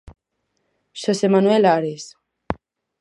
Xosé Manuel Ares...